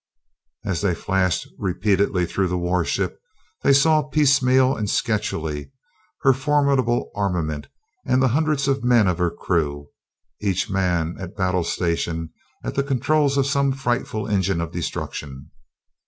As they flashed repeatedly through the warship, they saw piecemeal and sketchily her formidable armament and the hundreds of men of her crew, each man at battle station at the controls of some frightful engine of destruction.